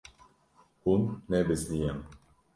Hûn nebizdiyan.